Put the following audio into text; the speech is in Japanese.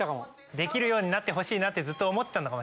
できるようになってほしいなってずっと思ってたのかも。